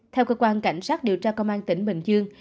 theo cơ quan cảnh sát điều tra công an tỉnh bình dương